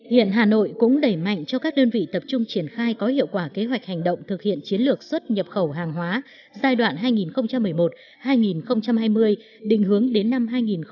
hiện hà nội cũng đẩy mạnh cho các đơn vị tập trung triển khai có hiệu quả kế hoạch hành động thực hiện chiến lược xuất nhập khẩu hàng hóa giai đoạn hai nghìn một mươi một hai nghìn hai mươi định hướng đến năm hai nghìn ba mươi